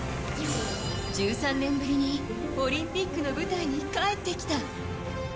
１３年ぶりにオリンピックの舞台に帰ってきた。